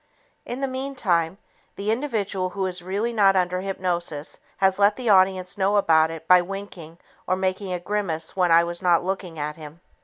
In the meantime, the individual who is really not under hypnosis has let the audience know about it by winking or making a grimace when I was not looking at him.